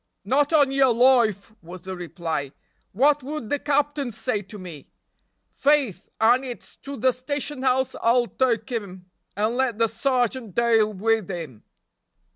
"Not on yer loife!" was the reply. "Wot 'ud the capting say to me? Faith, an' it's to the station house I'll tak' him, and let the s'argent dale wid him!"